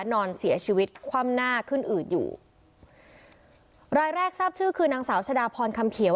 นอนเสียชีวิตคว่ำหน้าขึ้นอืดอยู่รายแรกทราบชื่อคือนางสาวชะดาพรคำเขียว